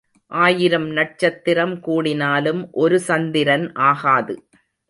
ஆயிரம் நட்சத்திரம் கூடினாலும் ஒரு சந்திரன் ஆகாது.